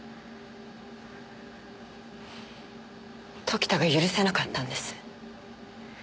時田が許せなかったんです。